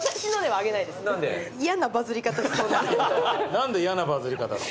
何で嫌なバズり方。